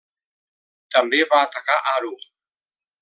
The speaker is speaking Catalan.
També va atacar Aru.